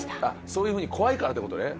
そういうふうに怖いからって事ね。